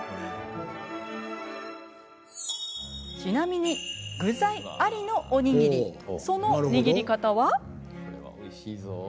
ちなみに、具材ありのおにぎりその握り方は？